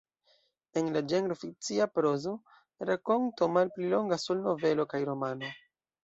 En la ĝenro fikcia prozo, rakonto malpli longas ol novelo kaj romano.